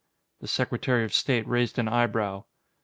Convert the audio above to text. The Secretary of State raised an eyebrow.